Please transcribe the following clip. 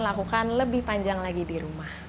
lakukan lebih panjang lagi di rumah